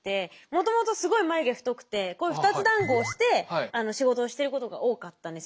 もともとすごい眉毛太くてこういう２つだんごをして仕事をしてることが多かったんですよ。